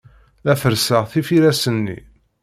La ferrseɣ tifiras-nni.